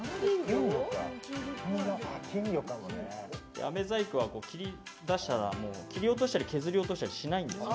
あめ細工は切り出したら切り落としたり削り落としたりしないんですよ。